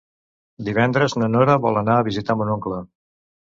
Divendres na Nora vol anar a visitar mon oncle.